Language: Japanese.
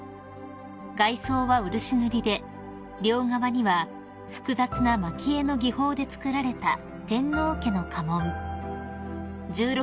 ［外装は漆塗りで両側には複雑な蒔絵の技法で作られた天皇家の家紋１６